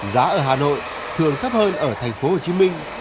giá ở hà nội thường thấp hơn ở thành phố hồ chí minh